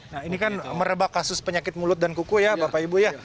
nah ini kan merebak kasus penyakit mulut dan kuku ya bapak ibu ya